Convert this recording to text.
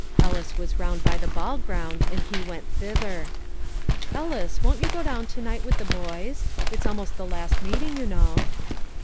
Ellis was round by the ball ground, and he went thither. "Ellis, won't you go down to night with the boys? it's almost the last meeting, you know."